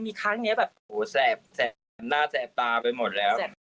มีครั้งนี้แบบโหแสบหน้าแสบตาไปหมดแล้ว